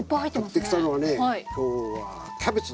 買ってきたのはね今日はキャベツ。